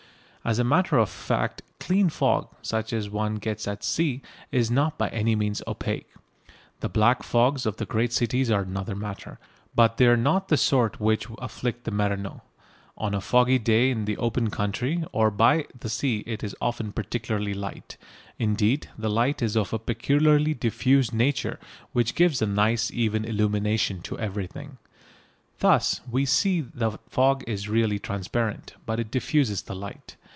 As a matter of fact clean fog, such as one gets at sea, is not by any means opaque. The black fogs of the great cities are another matter, but they are not the sort which afflict the mariner. On a foggy day in the open country or by the sea it is often particularly light; indeed the light is of a peculiarly diffuse nature which gives a nice even illumination to everything. Thus we see that fog is really transparent, but it diffuses the light.